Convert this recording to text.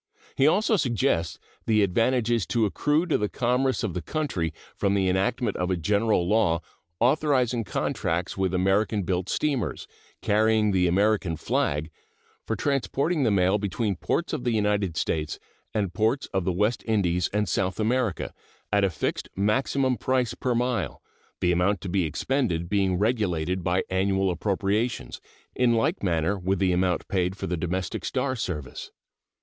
He also suggests the advantages to accrue to the commerce of the country from the enactment of a general law authorizing contracts with American built steamers, carrying the American flag, for transporting the mail between ports of the United States and ports of the West Indies and South America, at a fixed maximum price per mile, the amount to be expended being regulated by annual appropriations, in like manner with the amount paid for the domestic star service.